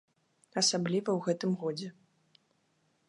Асабліва ў гэтым годзе.